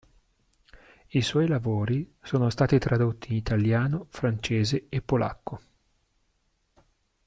I suoi lavori sono stati tradotti in Italiano, Francese e Polacco.